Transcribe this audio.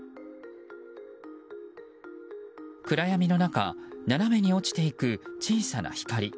暗闇の中斜めに落ちていく小さな光。